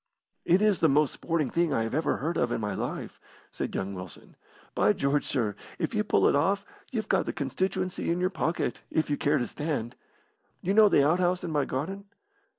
'" "It is the most sporting thing I ever heard of in my life," said young Wilson. "By George, sir, if you pull it off, you've got the constituency in your pocket, if you care to stand. You know the out house in my garden?"